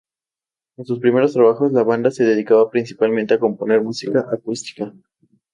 En sus primeros trabajos, la banda se dedicaba principalmente a componer música acústica.